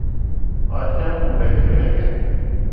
آج کیا موڈ ہے، کھیلیں گے؟